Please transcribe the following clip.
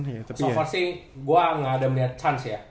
so far sih gue gak ada melihat chance ya